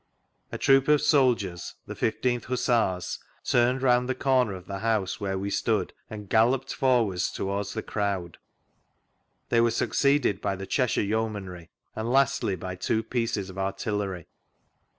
A troop of soldiers, thfe 1 5th Hussars, turned round the comer of the house where we stood and galloped forwards towards the crowd. They were sucoeeded by the Cheshire Yeomanry, and lastly by two pieces of artillery.